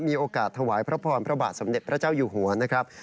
ถวายพระพรพระบาทสมเด็จพระเจ้าอยู่หัวนะครับ